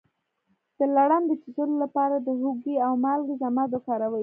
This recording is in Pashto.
د لړم د چیچلو لپاره د هوږې او مالګې ضماد وکاروئ